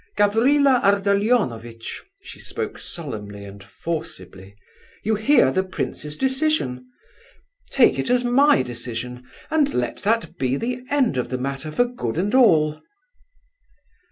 Gavrila Ardalionovitch," she spoke solemnly and forcibly, "you hear the prince's decision? Take it as my decision; and let that be the end of the matter for good and all."